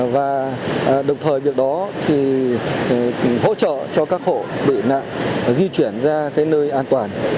và đồng thời việc đó thì hỗ trợ cho các hộ bị nạn di chuyển ra nơi an toàn